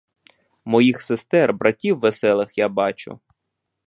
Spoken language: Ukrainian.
Моїх сестер, братів веселих я бачу.